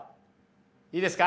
いいですか？